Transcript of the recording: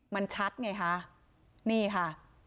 มันคัดไงฮะนี่ฮะ